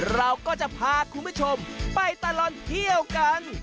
เราก็จะพาคุณผู้ชมไปตลอดเที่ยวกัน